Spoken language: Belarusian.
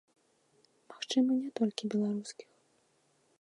Магчыма, не толькі беларускіх.